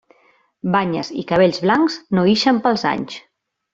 Banyes i cabells blancs, no ixen pels anys.